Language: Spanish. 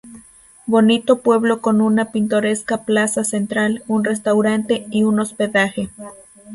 Bonito pueblo con una pintoresca plaza central, un restaurante y un hospedaje.